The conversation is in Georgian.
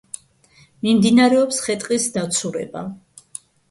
მიმდინარეობს ხე-ტყის დაცურება.